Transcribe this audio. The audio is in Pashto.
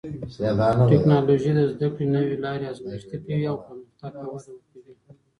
ټکنالوژي د زده کړې نوې لارې ازمېښتي کوي او پرمختګ ته وده ورکوي.